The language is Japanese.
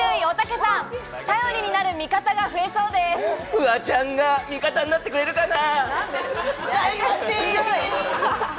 フワちゃんが味方になってくれるかな。